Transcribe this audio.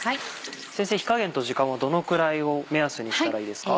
先生火加減と時間はどのくらいを目安にしたらいいですか？